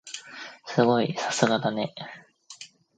すごい！さすがだね。